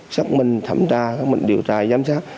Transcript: xác minh thẩm tra xác minh điều tra giám sát